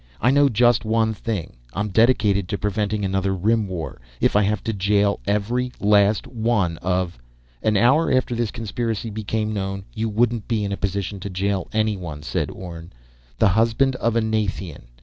I know just one thing: I'm dedicated to preventing another Rim War. If I have to jail every last one of " "An hour after this conspiracy became known, you wouldn't be in a position to jail anyone," said Orne. "The husband of a Nathian!